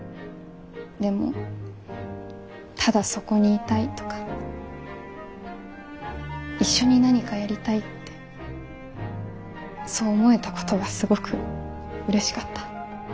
でもただそこにいたいとか一緒に何かやりたいってそう思えたことがすごくうれしかった。